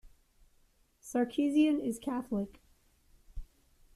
Sarkisian is Catholic.